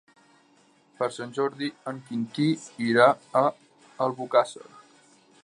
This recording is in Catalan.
Per Sant Jordi en Quintí irà a Albocàsser.